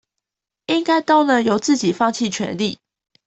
應該都能由自己放棄權力